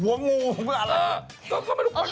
หัวงูอะไร